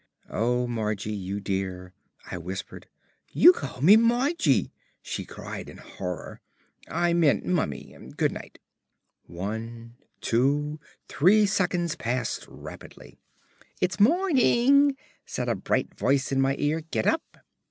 "Oh, Margie, you dear," I whispered. "You called me 'Margie'!" she cried in horror. "I meant 'Mummy.' Good night." One, two, three seconds passed rapidly. "It's morning," said a bright voice in my ear. "Get up."